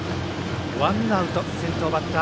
ワンアウト、先頭バッター